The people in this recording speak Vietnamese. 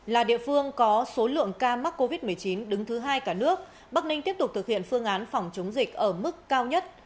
là địa phương có số lượng ca mắc covid một mươi chín đứng thứ hai cả nước bắc ninh tiếp tục thực hiện phương án phòng chống dịch ở mức cao nhất